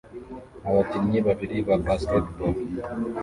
Abakinnyi babiri ba basketball